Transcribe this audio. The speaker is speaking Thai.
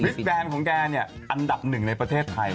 สแบนของแกเนี่ยอันดับหนึ่งในประเทศไทย